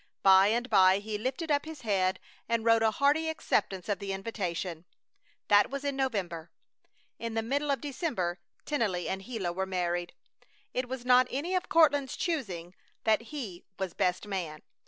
By and by he lifted up his head and wrote a hearty acceptance of the invitation. That was in November. In the middle of December Tennelly and Gila were married. It was not any of Courtland's choosing that he was best man.